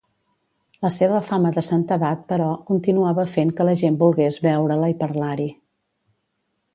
La seva fama de santedat, però, continuava fent que la gent volgués veure-la i parlar-hi.